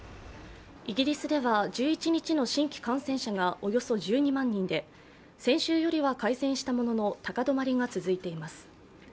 イギリスでは１１日の新規感染者がおよそ１２万人で先週よりは改善したものの高止まりが続いています。